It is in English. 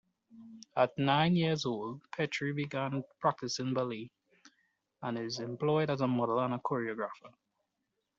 At nine-years-old, Petri began practicing ballet and is employed as a model and choreographer.